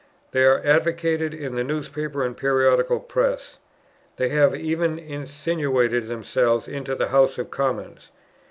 They are advocated in the newspaper and periodical press. They have even insinuated themselves into the House of Commons."